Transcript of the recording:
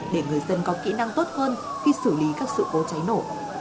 để người dân có kỹ năng tốt hơn khi xử lý các sự cố cháy nổ